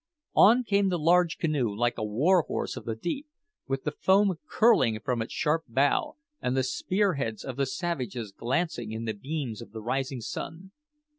On came the large canoe like a war horse of the deep, with the foam curling from its sharp bow, and the spear heads of the savages glancing in the beams of the rising sun.